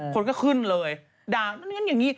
คนก็ขึ้นเลยด่านั่นอย่างนี้